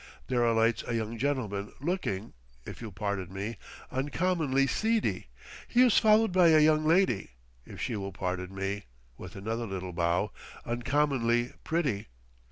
There alights a young gentleman looking, if you'll pardon me, uncommonly seedy; he is followed by a young lady, if she will pardon me," with another little bow, "uncommonly pretty.